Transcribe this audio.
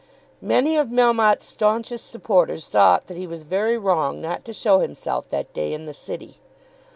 Many of Melmotte's staunchest supporters thought that he was very wrong not to show himself that day in the City.